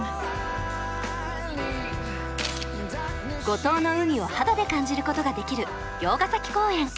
五島の海を肌で感じることができる魚津ヶ崎公園。